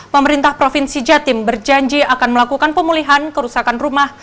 pemerintah provinsi jatim berjanji akan melakukan pemulihan kerusakan rumah